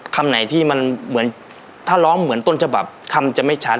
คำไหนที่มันเหมือนถ้าร้องเหมือนต้นฉบับคำจะไม่ชัด